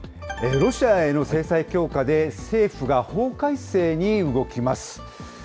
ロシアへの制裁強化で政府が法改正に動きます。